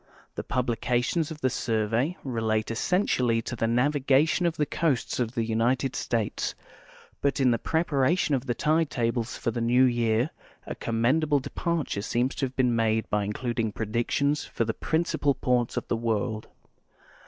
The pub lications of the Survej'' relate essentially to the navigation of the coasts of the United States; but in the preparation of the tide tables for the new year a commendable departure seems to have been made by includ ing ]>redictions for the principal ports of the w'orld.